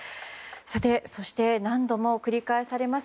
そして、何度も繰り返されます